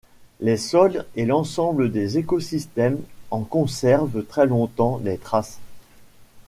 Les sols et l'ensemble des écosystèmes en conservent très longtemps les traces.